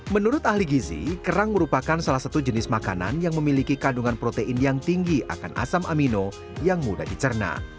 menurut ahli gizi kerang merupakan salah satu jenis makanan yang memiliki kandungan protein yang tinggi akan asam amino yang mudah dicerna